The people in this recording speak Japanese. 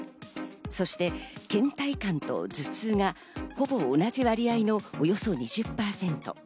そして倦怠感と頭痛が、ほぼ同じ割合のおよそ２０％。